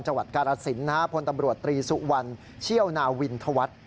จการณสินพลตำรวจตรีสุวันเชียวนาวินธวัฏ